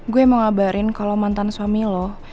gue mau ngabarin kalau mantan suami lo